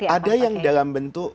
ada yang dalam bentuk